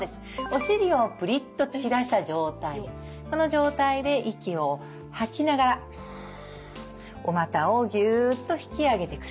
お尻をプリッと突き出した状態この状態で息を吐きながらフッおまたをギュッと引き上げてくる。